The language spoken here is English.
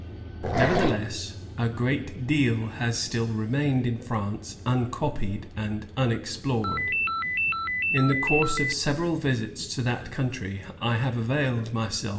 Never theless, a great deal has still remained in France uncopied and unexplored. In the course of sev eral visits to that country, I have availed myself PBEFACE.